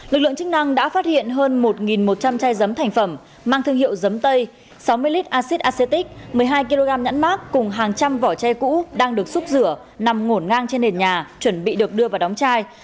lực lượng chức năng đã phát hiện hơn một một trăm linh chai dấm thành phẩm mang thương hiệu giấm tây sáu mươi lít acid acitic một mươi hai kg nhãn mát cùng hàng trăm vỏ chai cũ đang được xúc rửa nằm ngổn ngang trên nền nhà chuẩn bị được đưa vào đóng chai